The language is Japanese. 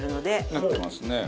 なってますね。